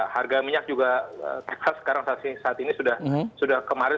harga minyak juga kita sekarang saat ini sudah kemarin